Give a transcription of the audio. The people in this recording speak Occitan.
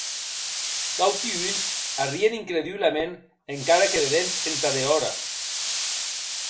Quauqui uns arrien incredulament, encara que de dents entà dehòra.